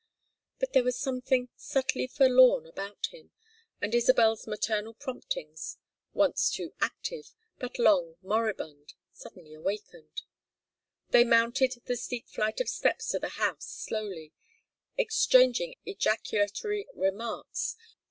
But there was something subtly forlorn about him, and Isabel's maternal promptings, once too active, but long moribund, suddenly awakened. They mounted the steep flight of steps to the house slowly, exchanging ejaculatory remarks.